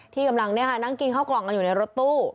ที่กำลังนั่งกินข้าวกล่องกันอยู่ในรถตู้